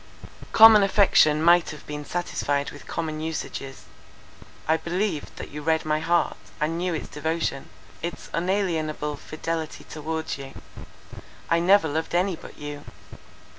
"Common affection might have been satisfied with common usages. I believed that you read my heart, and knew its devotion, its unalienable fidelity towards you. I never loved any but you.